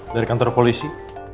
dari kantor polisi